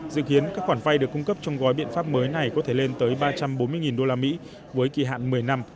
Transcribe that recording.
dự kiến các khoản vay được cung cấp trong gói biện pháp mới này có thể lên tới ba trăm bốn mươi usd với kỳ hạn một mươi năm